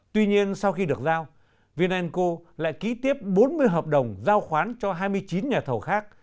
tuy nhiên sau khi được giao vinanco lại ký tiếp bốn mươi hợp đồng giao khoán cho hai mươi chín nhà thầu khác